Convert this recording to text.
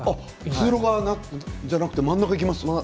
通路側じゃなくて真ん中に行きます？